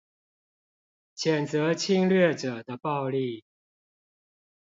譴責侵略者的暴力